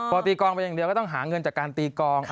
พอตีกองไปอย่างเดียวก็ต้องหาเงินจากการตีกอง